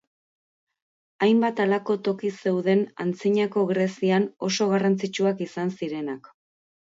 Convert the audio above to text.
Hainbat halako toki zeuden, Antzinako Grezian oso garrantzitsuak izan zirenak.